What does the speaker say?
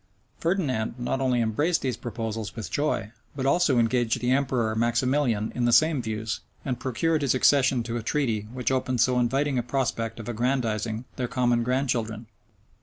Ferdinand not only embraced these proposals with joy, but also engaged the emperor Maximilian in the same views, and procured his accession to a treaty which opened so inviting a prospect of aggrandizing their common grandchildren.